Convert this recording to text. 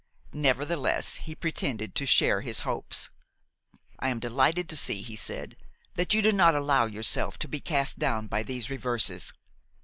Nevertheless he pretended to share his hopes. "I am delighted to see," he said, "that you do not allow yourself to be cast down by these reverses.